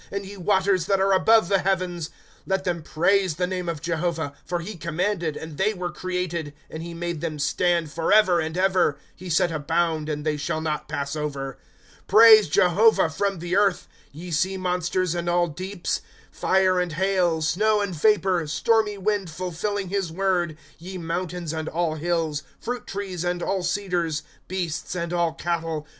And ye waters that are above the heavens. ^ Let them praise the name of Jehovah ; For he commanded, and they were created ;^ And he made them stand forever and ever ; He set a bound, and they shall not pass over. ^ Praise Jehovah, from the earth ; Ye sea monsters, and all deeps ;^ Fire and hail, snow and vapor, Stormy wind fidfiUing his word ;' Ye mountahis and all hills, 3?rult trees, and all cedars ; Beasts, and all cattle.